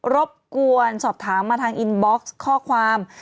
รบกวนสอบถามมาทางอินบ็อกซ์ข้อความ